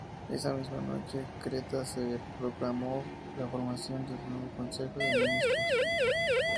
Esa misma noche, en Creta, se proclamó la formación del nuevo Consejo de Ministros.